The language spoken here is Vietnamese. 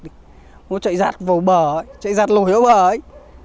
nó chạy rạt vào bờ ấy chạy rạt lồi vào bờ ấy